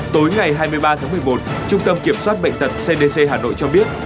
tối ngày hai mươi ba tháng một mươi một trung tâm kiểm soát bệnh tật cdc hà nội cho biết